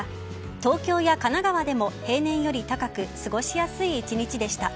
東京や神奈川でも平年より高く過ごしやすい一日でした。